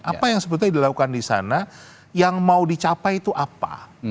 apa yang sebetulnya dilakukan di sana yang mau dicapai itu apa